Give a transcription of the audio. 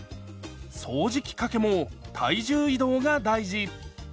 掃除機かけも体重移動が大事！